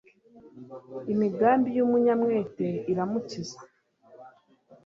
imigambi y'umunyamwete iramukiza